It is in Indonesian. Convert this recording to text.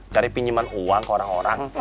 cari pinjaman uang ke orang orang